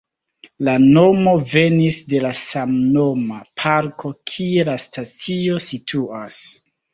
La nomo venis de la samnoma parko, kie la stacio situas.